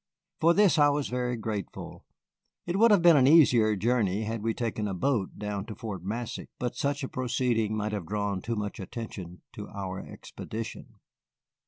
For this I was very grateful. It would have been an easier journey had we taken a boat down to Fort Massac, but such a proceeding might have drawn too much attention to our expedition.